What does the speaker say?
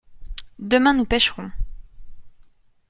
Demain nous pêcherons.